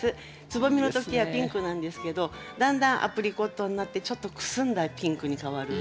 つぼみの時はピンクなんですけどだんだんアプリコットになってちょっとくすんだピンクに変わる。